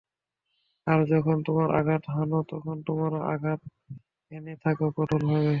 আর যখন তোমরা আঘাত হান, তখন তোমরা আঘাত হেনে থাক কঠোরভাবে।